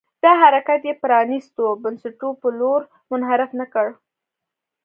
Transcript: دا حرکت یې د پرانيستو بنسټونو په لور منحرف نه کړ.